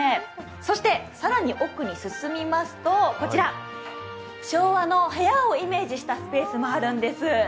そして更に奥に進みますとこちら昭和の部屋をイメージしたスペースもあるんです。